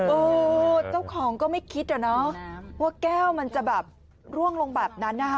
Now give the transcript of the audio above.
เออเจ้าของก็ไม่คิดอะเนาะว่าแก้วมันจะแบบร่วงลงแบบนั้นนะคะ